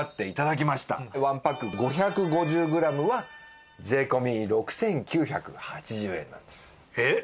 ワンパック５５０グラムは税込６９８０円なんです。えっ？